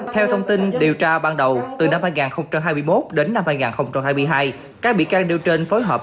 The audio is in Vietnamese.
theo thông tin điều tra ban đầu từ năm hai nghìn hai mươi một đến năm hai nghìn hai mươi hai các bị can điều trên phối hợp